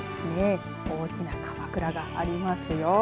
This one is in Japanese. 大きなかまくらがありますよ。